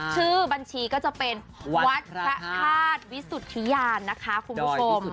ชื่อบัญชีก็จะเป็นวัดพระธาตุวิสุทธิยานนะคะคุณผู้ชม